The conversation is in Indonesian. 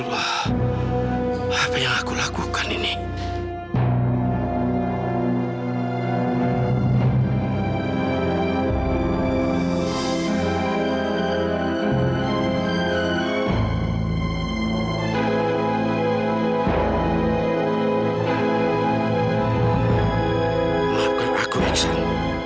maafkan aku nek san